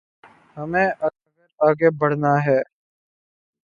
ہمیں اگر آگے بڑھنا ہے۔